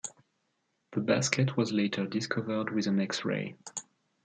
The basket was later discovered with an X-ray.